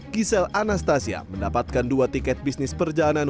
kisele anastasia mendapatkan dua tiket bisnis perjalanan